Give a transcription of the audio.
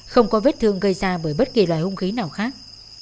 không có vết thương gây ra bởi bất kỳ loại hung khí nào khác